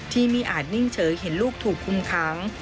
ที่ไม่อาจนิ่งเฉยเห็นลูกถูกคุมค้าง